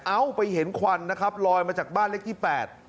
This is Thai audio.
ไปเห็นควันนะครับลอยมาจากบ้านเลขที่๘